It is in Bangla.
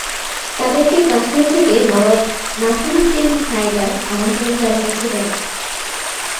তাদেরকে কাশ্মীর থেকে নবাব নাসির-উদ্দিন হায়দার আমন্ত্রণ জানিয়েছিলেন।